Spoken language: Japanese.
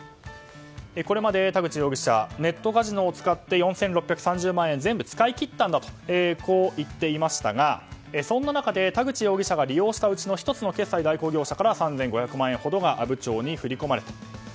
これまで田口容疑者はネットカジノを使って４６３０万円全部使い切ったんだと言っていましたがそんな中で田口容疑者が利用したうちの１つの決済代行業者から３５００万円が阿武町に振り込まれたと。